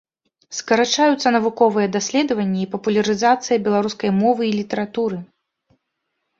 Скарачаюцца навуковыя даследаванні і папулярызацыя беларускай мовы і літаратуры.